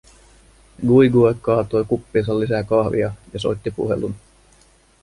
Quique kaatoi kuppiinsa lisää kahvia ja soitti puhelun.